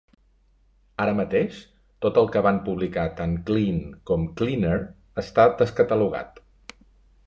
Ara mateix, tot el que van publicar tant Cleen com Cleaner està descatalogat.